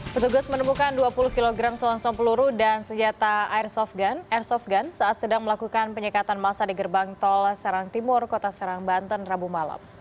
petugas menemukan dua puluh kg selongsong peluru dan senjata airsoft gun saat sedang melakukan penyekatan masa di gerbang tol serang timur kota serang banten rabu malam